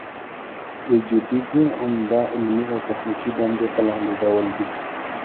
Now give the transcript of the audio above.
د جیودیزي عمده علمي او تخنیکي دندې په لاندې ډول دي